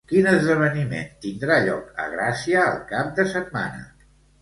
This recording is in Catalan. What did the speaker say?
Quin esdeveniment tindrà lloc a Gràcia el cap de setmana?